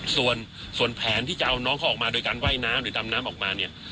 ส่วนแผนที่จะเอาน้องเขาออกมาโดยการว่ายน้ำหรือดำน้ำออกมาเนี่ย